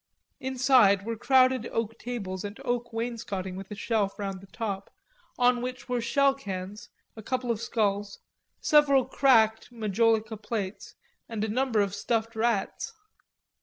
Inside were crowded oak tables and oak wainscoting with a shelf round the top, on which were shell cans, a couple of skulls, several cracked majolica plates and a number of stuffed rats.